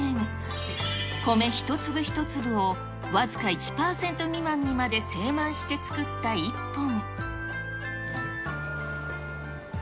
米一粒一粒を僅か１％未満にまで精米して造った一本。